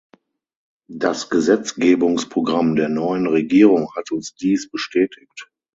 Das Gesetzgebungsprogramm der neuen Regierung hat uns dies bestätigt.